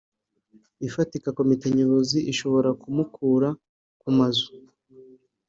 ifatika Komite Nyobozi ishobora kumukura kumazu